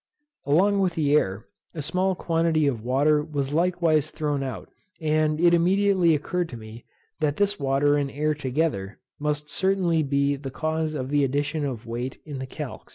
Along with the air, a small quantity of water was likewise thrown out; and it immediately occurred to me, that this water and air together must certainly be the cause of the addition of weight in the calx.